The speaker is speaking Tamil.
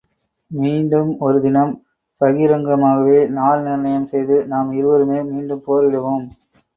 மீண்டும் ஒரு தினம் பகிரங்கமாக நாள் நிர்ணயம் செய்து நாம் இருவருமே மீண்டும் போரிடுவோம்!...